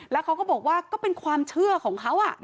แล้วเขาก็บอกว่าก็เป็นความเชื่อของเขา